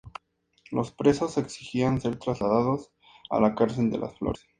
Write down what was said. Los presos exigían ser trasladados a la cárcel de Las Flores.